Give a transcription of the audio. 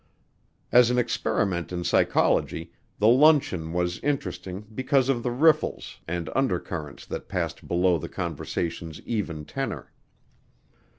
As an experiment in psychology, the luncheon was interesting because of the riffles and undercurrents that passed below the conversation's even tenor.